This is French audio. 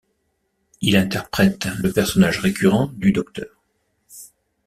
Il interprète le personnage récurrent du Dr.